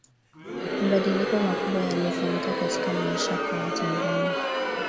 mabadiliko makubwa yalifanyika katika maisha kwa watanzania